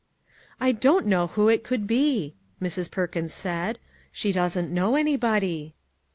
" I don't know who it could be," Mrs. Per kins said. " She doesn't know anybody."